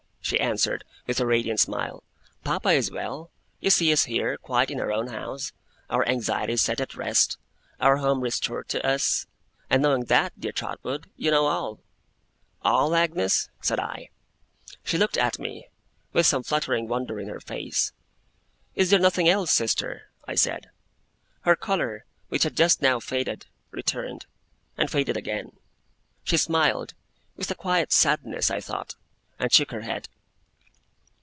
she answered, with her radiant smile. 'Papa is well. You see us here, quiet in our own home; our anxieties set at rest, our home restored to us; and knowing that, dear Trotwood, you know all.' 'All, Agnes?' said I. She looked at me, with some fluttering wonder in her face. 'Is there nothing else, Sister?' I said. Her colour, which had just now faded, returned, and faded again. She smiled; with a quiet sadness, I thought; and shook her head.